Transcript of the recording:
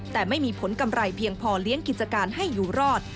แต่ไม่มีผลกำไรเพียงพอเลี้ยงกิจการให้อยู่รอด